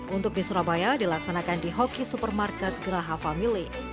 untuk di surabaya dilaksanakan di hoki supermarket geraha family